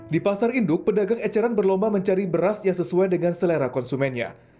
di pasar induk pedagang eceran berlomba mencari beras yang sesuai dengan selera konsumennya